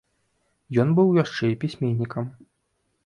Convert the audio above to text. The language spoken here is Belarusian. Ён быў яшчэ і пісьменнікам.